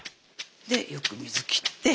でよく水切って。